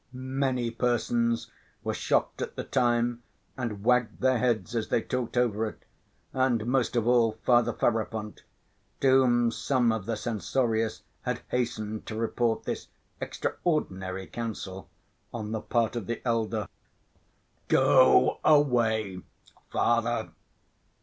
Many persons were shocked at the time and wagged their heads as they talked over it—and most of all Father Ferapont, to whom some of the censorious had hastened to report this "extraordinary" counsel on the part of the elder. "Go away, Father!"